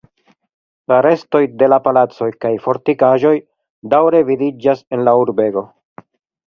La restoj de la palacoj kaj fortikaĵoj daŭre vidiĝas en la urbego.